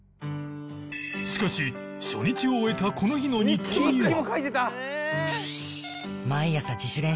しかし初日を終えたこの日の日記には